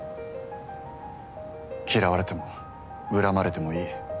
嫌われても恨まれてもいい。